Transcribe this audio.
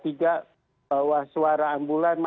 tidak bahwa suara ambulan